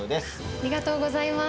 ありがとうございます。